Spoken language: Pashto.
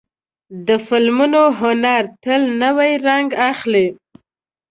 د فلمونو هنر تل نوی رنګ اخلي.